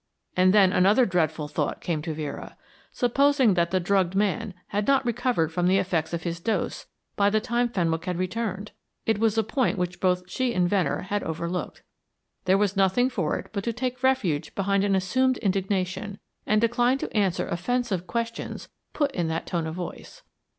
And then another dreadful thought came to Vera supposing that the drugged man had not recovered from the effects of his dose by the time that Fenwick had returned? It was a point which both she and Venner had overlooked. There was nothing for it but to take refuge behind an assumed indignation, and decline to answer offensive questions put in that tone of voice.